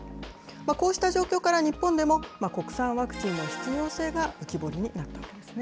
こうした状況から、日本でも国産ワクチンの必要性が浮き彫りになったんですね。